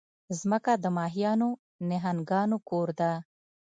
مځکه د ماهیانو، نهنګانو کور ده.